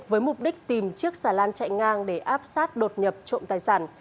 với mục đích tìm chiếc xà lan chạy ngang để áp sát đột nhập trộm tài sản